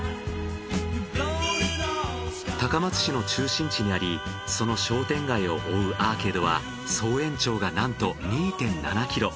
高松市の中心地にありその商店街を覆うアーケードは総延長がなんと２．７ｋｍ。